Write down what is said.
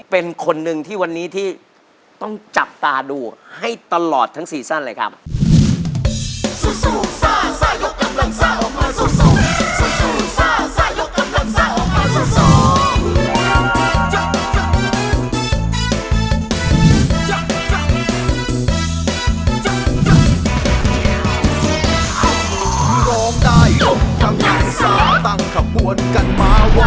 เป็นคนหนึ่งที่วันนี้ที่ต้องจับตาดูให้ตลอดทั้งซีซั่นเลยครับ